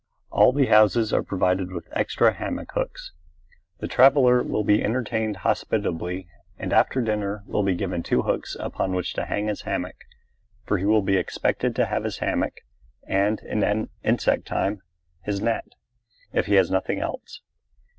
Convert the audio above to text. All the houses are provided with extra hammock hooks. The traveller will be entertained hospitably and after dinner will be given two hooks upon which to hang his hammock, for he will be expected to have his hammock and, in insect time, his net, if he has nothing else.